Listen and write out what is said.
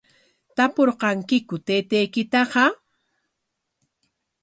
¿Tapurqankiku taytaykitaqa?